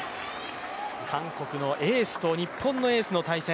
韓国のエースと日本のエースの対戦。